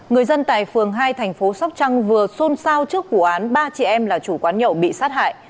người dân tại phường hai thành phố sóc trăng vừa xôn xao trước vụ án ba chị em là chủ quán nhậu bị sát hại